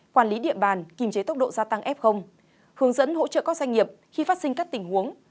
quản lý địa bàn kiềm chế tốc độ gia tăng f hướng dẫn hỗ trợ các doanh nghiệp khi phát sinh các tình huống